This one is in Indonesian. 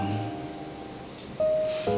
orang ini lebih ukuran